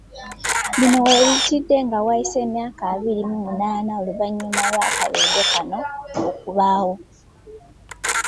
Bino we bijjdde nga wayise emyaka abiri mu munaana oluvannyuma lw'akabenje kano okubaawo.